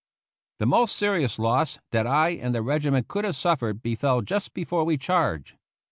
The most serious loss that I and the regiment could have suffered befell just before we charged.